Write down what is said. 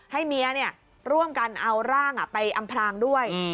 ให้เมียร่วมกันเอาร่างไปอำพลางด้วย